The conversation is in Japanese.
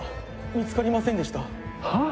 見つかりませんでした・はあ？